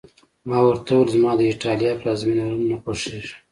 ما ورته وویل: زما د ایټالیا پلازمېنه، روم نه خوښېږي.